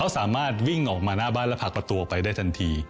สามารถวิ่งออกมาหน้าบ้านและผลักประตูออกไปได้ทันที